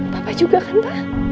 papa juga kan pa